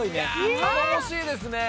たのもしいですね。